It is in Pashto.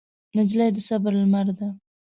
نجلۍ د صبر لمر ده.